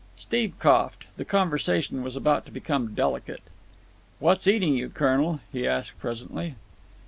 Steve coughed. The conversation was about to become delicate. "What's eating you, colonel?" he asked presently.